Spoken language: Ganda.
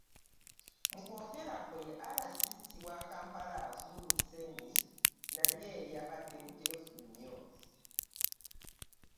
Mu kwogera kwe, RCC wa Kampala, Hudu Hussein naye yabadde muteefu nnyo.